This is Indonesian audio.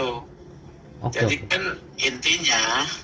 jadi kan intinya